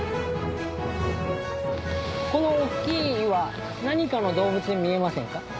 この大っきい岩何かの動物に見えませんか？